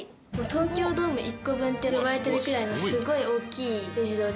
東京ドーム１個分っていわれてるぐらいのすごい大きい出城で。